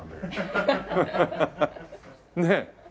ねえ。